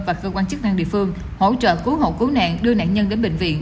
và cơ quan chức năng địa phương hỗ trợ cứu hộ cứu nạn đưa nạn nhân đến bệnh viện